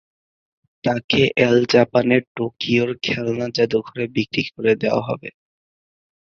তাকে অ্যাল জাপানের টোকিওর খেলনা জাদুঘরে বিক্রি করে দেওয়া হবে।